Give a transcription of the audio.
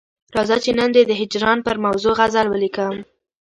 راځه چې نن دي د هجران پر موضوع غزل ولیکم.